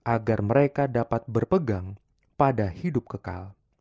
agar mereka dapat berpegang pada hidup kekal